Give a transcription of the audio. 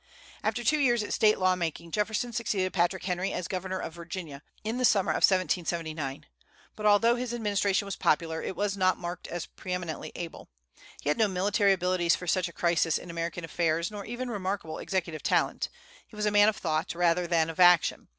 After two years at State law making Jefferson succeeded Patrick Henry as governor of Virginia, in the summer of 1779. But although his administration was popular, it was not marked as pre eminently able. He had no military abilities for such a crisis in American affairs, nor even remarkable executive talent. He was a man of thought rather than of action.